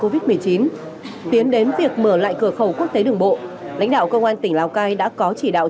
covid một mươi chín tiến đến việc mở lại cửa khẩu quốc tế đường bộ lãnh đạo công an tỉnh lào cai đã có chỉ đạo